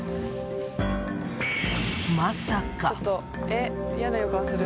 まさか。